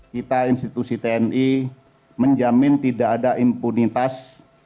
kita institusi tni menjamin tidak ada impunitas